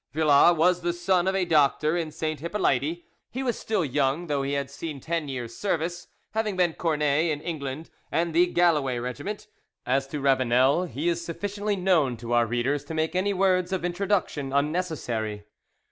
Villas was the son of a doctor in Saint Hippolyte; he was still young, though he had seen ten years' service, having been cornet in England in the Galloway regiment. As to Ravanel, he is sufficiently known to our readers to make any words of introduction unnecessary.